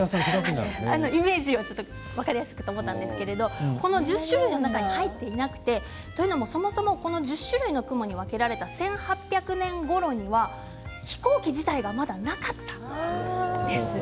イメージを分かりやすくと思ったんですけど１０種類の中に入っていなくてというのも、そもそも１０種類の雲に分けられた１８００年ごろには飛行機自体がまだなかったんです。